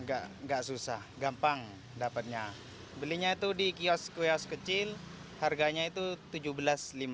enggak enggak susah gampang dapatnya belinya itu di kios kios kecil harganya itu rp tujuh belas lima ratus